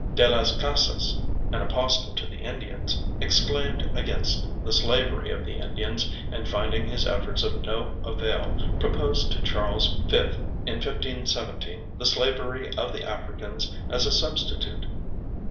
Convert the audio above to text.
De las Casas, an apostle to the Indians, exclaimed against the slavery of the Indians and finding his efforts of no avail proposed to Charles V in 1517 the slavery of the Africans as a substitute.